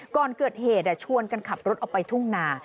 ก่อนเกิดเหตุชวนกันขับรถออกไปทุ่งนา